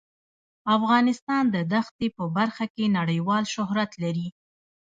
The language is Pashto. افغانستان د دښتې په برخه کې نړیوال شهرت لري.